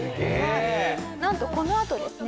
なんとこのあとですね